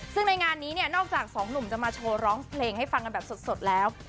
ซึ่งในงานนี้เนี่ยนอกจากสองหนุ่มจะมาโชว์ร้องเพลงให้ฟังกันแบบสดแล้ว